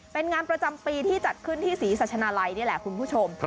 เป็นงานประจำปีที่จัดขึ้นที่ศรีสัชนาลัยนี่แหละคุณผู้ชม